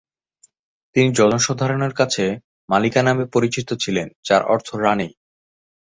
তিনি জনসাধারণের কাছে "মালিকা" নামে পরিচিত ছিলেন যার অর্থ "রাণী"।